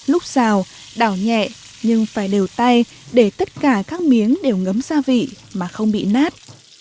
lúc xào đảo nhẹ nhưng phải đều tay để tất cả các miếng đều ngấm gia vị mà không bị nát